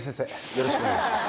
よろしくお願いします